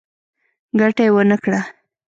ګټه یې ونه کړه.